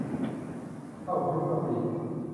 ข้าวคลุกกะปิ